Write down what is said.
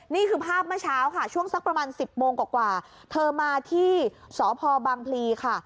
นี่คือภาพเมื่อเช้าค่ะช่วงสักประมาณ๑๐โมงกว่าเธอมาที่สพบางพลีค่ะ